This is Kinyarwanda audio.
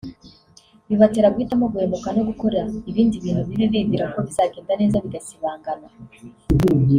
bibatera guhitamo guhemuka no gukora ibindi bintu bibi bibwira ko bizagenda neza bigasibangana